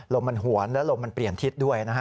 ลมมันหวนและลมมันเปลี่ยนทิศด้วยนะฮะ